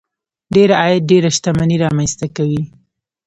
ډېر عاید ډېره شتمني رامنځته کوي.